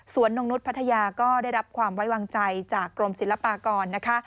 นงนุษย์พัทยาก็ได้รับความไว้วางใจจากกรมศิลปากรนะคะ